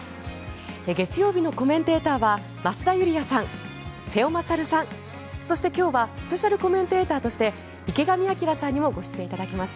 月曜日のコメンテーターは増田ユリヤさん、瀬尾傑さんそして今日はスペシャルコメンテーターとして池上彰さんにもご出演いただきます。